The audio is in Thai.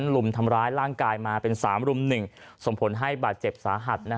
รุมทำร้ายร่างกายมาเป็น๓รุม๑ส่งผลให้บาดเจ็บสาหัส